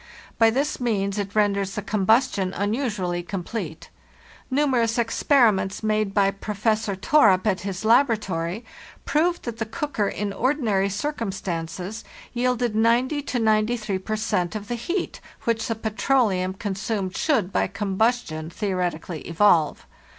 By this means it renders the combustion unusually complete. Numerous experiments made by Professor Torup at his laboratory proved that the cooker in ordinary circumstances yielded 90 to 93 per cent. of the heat which the petroleum con sumed should, by combustion, theoretically evolve.